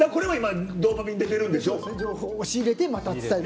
情報を仕入れてまた伝える。